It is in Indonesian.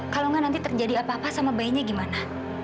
kalau nggak nanti terjadi apa apa sama bayinya gimana